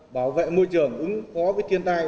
bảo vệ môi trường ứng phó với thiên tai